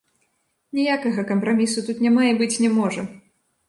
Ніякага кампрамісу тут няма і быць не можа.